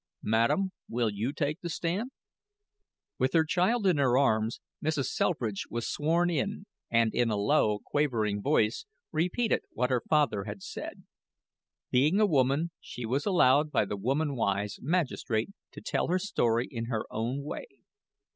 "Madam, will you take the stand?" With her child in her arms, Mrs. Selfridge was sworn and in a low, quavering voice repeated what her father had said. Being a woman, she was allowed by the woman wise magistrate to tell her story in her own way.